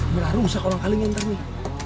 beraruh usah orang kalinya ntar nih